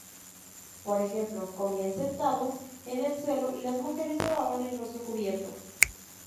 Por ejemplo, comían sentados en el suelo y las mujeres llevaban el rostro cubierto.